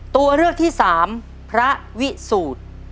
ตัวเลือกที่๓พระวิสูตร